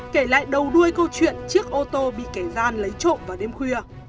kể lại đầu đuôi câu chuyện chiếc ô tô bị kẻ gian lấy trộm vào đêm khuya